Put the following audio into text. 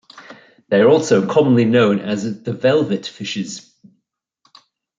They are also commonly known as the velvetfishes.